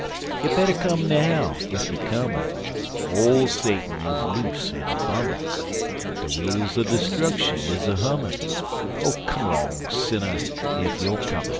You better come now ef you comin' Ole Satun is loose en a bummin' De wheels er distruckshun is a hummin' Oh, come long, sinner, ef you comin'!